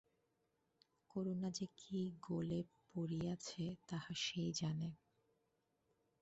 করুণা যে কী গোলে পড়িয়াছে তাহা সেই জানে।